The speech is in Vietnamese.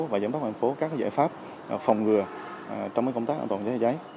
và giám đốc mạng thành phố các giải pháp phòng ngừa trong công tác phòng cháy chữa cháy